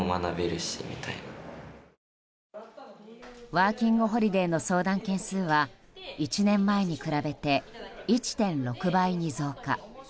ワーキングホリデーの相談件数は１年前に比べて１．６倍に増加。